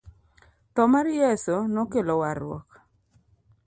Tho mar Yeso no kelo warruok